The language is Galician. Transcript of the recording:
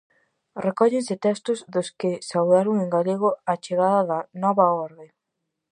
Recóllense textos dos que saudaron en galego a chegada da "nova orde".